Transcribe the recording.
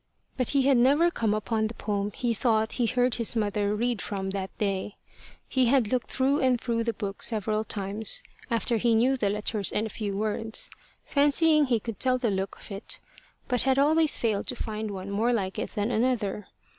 But he had never come upon the poem he thought he had heard his mother read from it that day. He had looked through and through the book several times after he knew the letters and a few words, fancying he could tell the look of it, but had always failed to find one more like it than another.